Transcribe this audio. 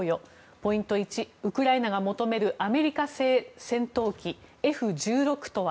ポイント１、ウクライナが求めるアメリカ製戦闘機Ｆ１６とは？